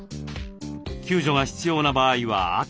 救助が必要な場合は赤。